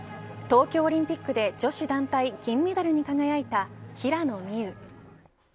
東京オリンピックで女子団体金メダルに輝いた平野美宇。